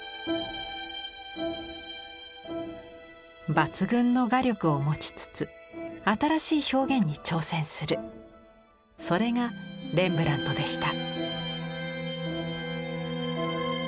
抜群の画力を持ちつつ新しい表現に挑戦するそれがレンブラントでした。